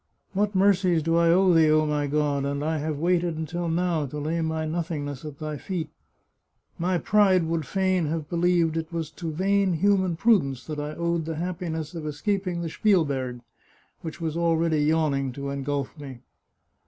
What mercies do I owe thee, oh, my God ! and I have waited until now to lay my nothingness at Thy feet. My pride would fain have believed it was to vain human prudence that I owed the happiness 214 The Chartreuse of Parma of escaping the Spielberg, which was already yawning to engulf me."